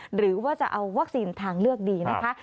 หรือว่าจะเอาวัคซีนทางเลือกดีนะคะ